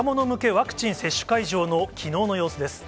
ワクチン接種会場のきのうの様子です。